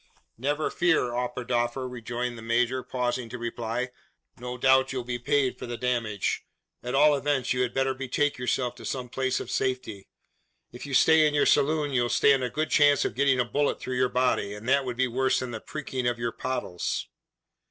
"Never fear, Oberdoffer!" rejoined the major, pausing to reply. "No doubt you'll be paid for the damage. At all events, you had better betake yourself to some place of safety. If you stay in your saloon you'll stand a good chance of getting a bullet through your body, and that would be worse than the preaking of your pottles."